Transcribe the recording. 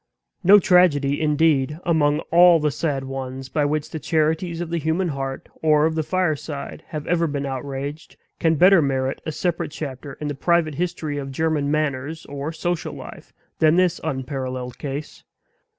No tragedy, indeed, among all the sad ones by which the charities of the human heart or of the fireside have ever been outraged, can better merit a separate chapter in the private history of German manners or social life than this unparalleled case.